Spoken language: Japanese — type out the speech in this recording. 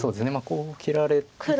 こう切られると。